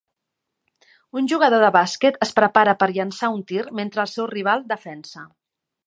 Un jugador de bàsquet es prepara per llançar un tir mentre el seu rival defensa.